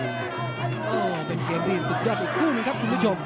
โอ้โหเป็นเกมที่สุดยอดอีกคู่หนึ่งครับคุณผู้ชม